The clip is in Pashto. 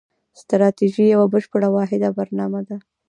ستراتیژي یوه بشپړه واحده برنامه ده.